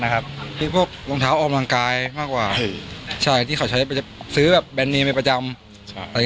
หรือพวกรองเท้าออมรังกายมากกว่าใช่ที่เขาใช้ไปซื้อแบรนด์เนียมไปประจำ